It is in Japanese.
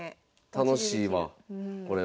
楽しいわこれは。